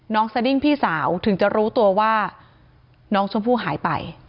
สดิ้งพี่สาวถึงจะรู้ตัวว่าน้องชมพู่หายไป